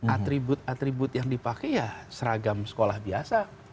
atribut atribut yang dipakai ya seragam sekolah biasa